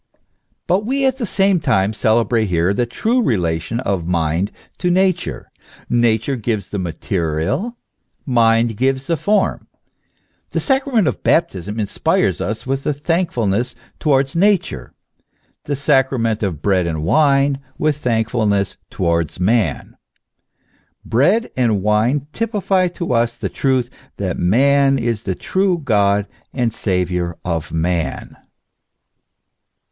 But we at the same time celebrate here the true relation of mind to Nature : Nature gives the material, mind gives the form. The sacrament of Baptism inspires us with thankfulness N 3 274 THE ESSENCE OF CHEISTIANITY. towards Nature, the sacrament of bread and wine with thank fulness towards man. Bread and wine typify to us the truth that Man is the true God and Saviour of man.